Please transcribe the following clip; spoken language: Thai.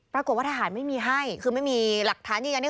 ปรากฏว่าทหารไม่มีให้คือไม่มีหลักฐานยืนยันนี้